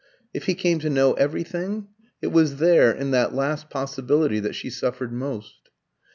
if he came to know everything? It was there, in that last possibility, that she suffered most.